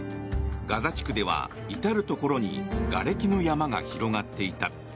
ガザ地区では至るところにがれきの山が広がっていた。